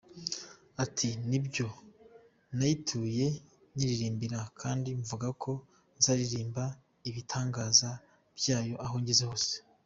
Ati “Ni byo nayituye nyiririmbira kandi mvuga ko nzaririmba ibitangaza byayo aho ngeze hose.